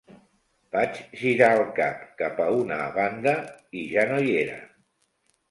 Vaig girar el cap cap a una banda i ja no hi era.